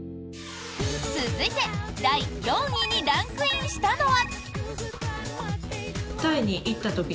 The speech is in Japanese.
続いて第４位にランクインしたのは。